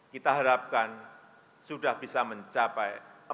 kita harapkan sudah bisa mencapai